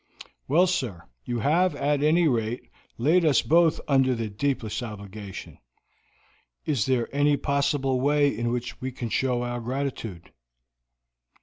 "Well, sir, you have, at any rate, laid us both under the deepest obligation. Is there any possible way in which we can show our gratitude?"